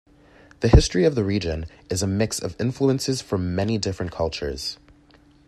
The history of the region is a mix of influences from many different cultures.